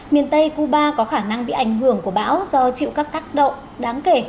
miền tây cuba có khả năng bị ảnh hưởng của bão do chịu các tác động đáng kể